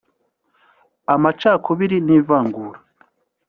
amacakubiri n’ivangura